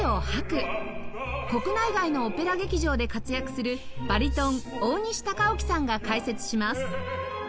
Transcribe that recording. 国内外のオペラ劇場で活躍するバリトン大西宇宙さんが解説します